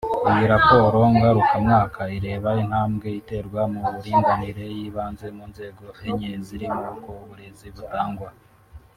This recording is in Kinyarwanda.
Iyi raporo ngarukamwaka ireba intambwe iterwa mu buringanire yibanze mu nzego enye zirimo uko uburezi butangwa